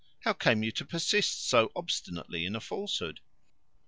How came you to persist so obstinately in a falsehood?"